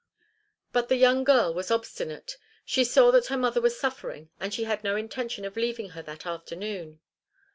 But the young girl was obstinate; she saw that her mother was suffering and she had no intention of leaving her that afternoon.